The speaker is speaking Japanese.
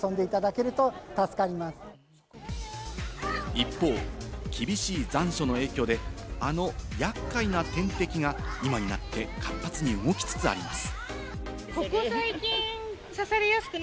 一方、厳しい残暑の影響で厄介な天敵が今になって活発に動きつつあります。